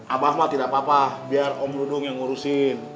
abah mah tidak apa apa biar om rudung yang ngurusin